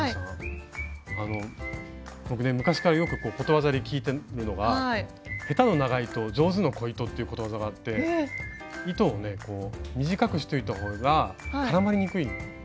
僕ね昔からよくことわざで聞いてるのが「下手の長糸上手の小糸」っていうことわざがあって糸を短くしておいた方が絡まりにくいんですよ。